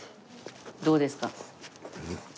どうですか？